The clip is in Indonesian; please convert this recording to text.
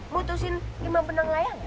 mutusin lima benang layang